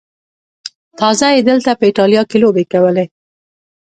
تازه یې دلته په ایټالیا کې لوبې کولې.